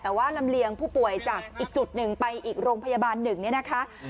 แต่ว่าลำเลียงผู้ป่วยจากอีกจุดหนึ่งไปอีกโรงพยาบาลหนึ่งเนี่ยนะคะ